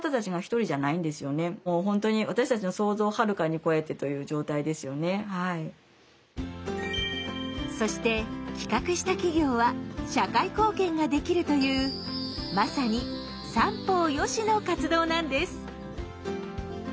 クラブだけではなくそして企画した企業は社会貢献ができるというまさに“三方よし”の活動なんです。